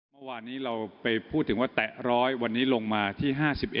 เมื่อวานนี้เราไปพูดถึงว่าแตะ๑๐๐วันนี้ลงมาที่๕๑